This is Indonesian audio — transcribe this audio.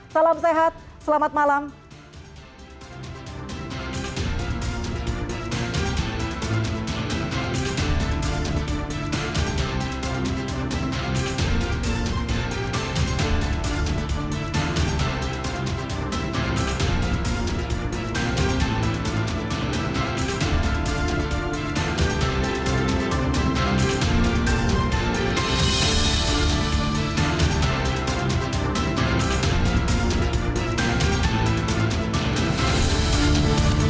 salam sehat selamat malam